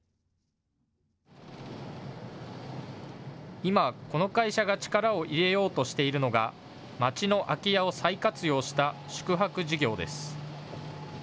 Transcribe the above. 今、この会社が力を入れようとしているのが町の空き家を再活用した宿泊事業です。